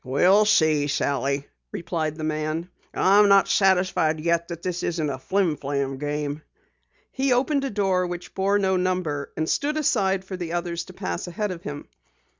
"We'll see, Sally," replied the man. "I'm not satisfied yet that this isn't a flim flam game." He opened a door which bore no number, and stood aside for the others to pass ahead of him.